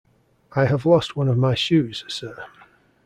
I have lost one of my shoes, sir.